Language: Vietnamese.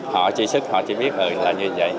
họ truy xuất họ chỉ biết là như vậy